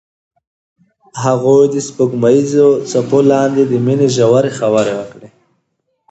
هغوی د سپوږمیز څپو لاندې د مینې ژورې خبرې وکړې.